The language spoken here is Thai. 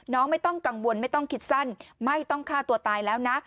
ไม่ต้องกังวลไม่ต้องคิดสั้นไม่ต้องฆ่าตัวตายแล้วนะ